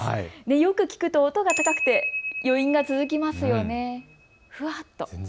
よく聞くと音が高くて余韻が続きますよね。